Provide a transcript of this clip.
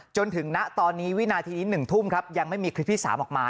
จนถึงณตอนนี้วินาทีนี้๑ทุ่มครับยังไม่มีคลิปที่๓ออกมา